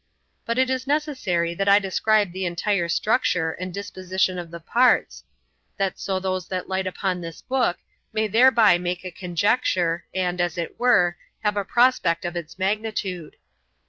But it is necessary that I describe the entire structure and disposition of the parts, that so those that light upon this book may thereby make a conjecture, and, as it were, have a prospect of its magnitude.